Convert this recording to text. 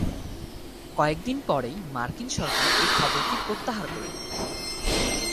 কয়েকদিন পরেই মার্কিন সরকার এই খবরটি প্রত্যাহার করে নেয়।